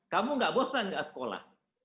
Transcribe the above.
kamu gak bosan gak sekolah